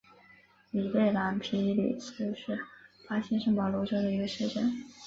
里贝朗皮里斯是巴西圣保罗州的一个市镇。